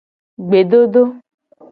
Gbedodo.